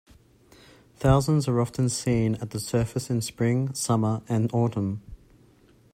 Thousands are often seen at the surface in spring, summer, and autumn.